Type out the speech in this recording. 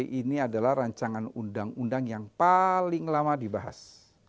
ini adalah rancangan undang undang yang paling lama dibahas